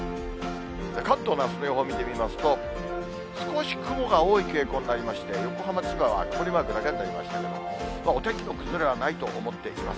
関東のあすの予報見てみますと、少し雲が多い傾向になりまして、横浜、千葉は曇りマークだけになりましたけど、お天気の崩れはないと思っています。